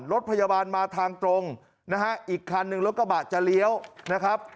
รถพยาบาลมาทางตรงนะฮะอีกคันหนึ่งรถกระบะจะเลี้ยวนะครับ